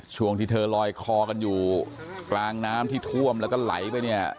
ช่วงที่เธอลอยคอกันอยู่กลางน้ำที่ท่วมแล้วก็ไหลไปเนี่ย